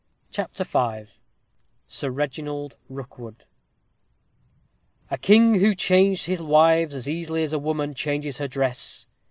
CHAPTER V SIR REGINALD ROOKWOOD A king who changed his wives as easily as a woman changes her dress.